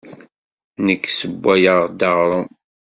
Nekk ssewwayeɣ-d aɣrum.